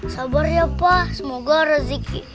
sabarnya pak semoga rezeki